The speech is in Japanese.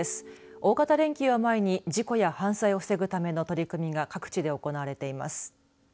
大型連休を前に事故や犯罪を防ぐための取り組みが各地で行われています。